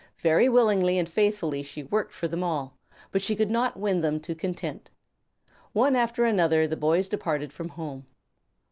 Very willingly and faithfully she worked for them all, but she could not win them to content. One after another the boys departed from home.